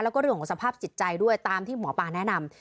แล้วก็เรื่องของสภาพจิตใจด้วยตามที่หมอปลาแนะนำ